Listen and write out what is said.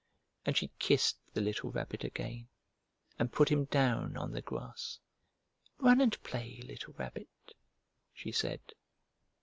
And she kissed the little Rabbit again and put him down on the grass. "Run and play, little Rabbit!" she said.